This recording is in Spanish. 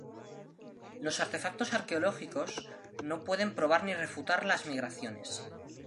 Los artefactos arqueológicos no pueden probar ni refutar las migraciones.